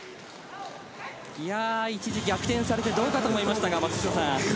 いや一時、逆転されてどうかと思いましたが、松下さん。